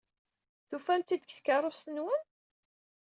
Tufam-t-id deg tkeṛṛust-nwen?